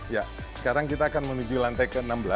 ya sekarang kita akan menuju lantai ke enam belas